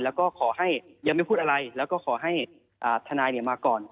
แล้วก็ขอให้ยังไม่พูดอะไรแล้วก็ขอให้ทนายมาก่อน